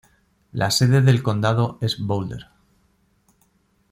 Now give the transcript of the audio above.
La sede del condado es Boulder.